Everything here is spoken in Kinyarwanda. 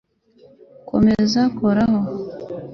komeza koraho